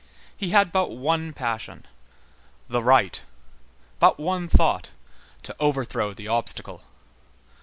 He had but one passion—the right; but one thought—to overthrow the obstacle.